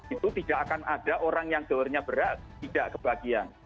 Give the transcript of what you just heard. itu tidak akan ada orang yang gelarnya berat tidak kebagian